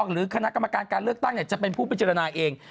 หรือคณะกรรมการการเลือกตั้งจะเป็นผู้พิจารณาเอง